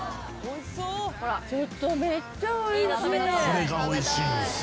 これがおいしいんですよ。